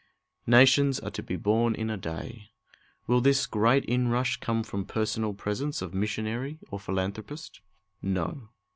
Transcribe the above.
"Nations are to be born in a day." Will this great inrush come from personal presence of missionary or philanthropist? No.